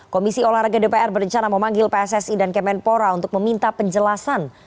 komisi olahraga dpr berencana memanggil pssi dan kemenpora untuk meminta penjelasan